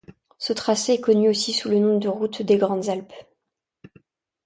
Ce tracé est connu aussi sous le nom de Route des Grandes Alpes.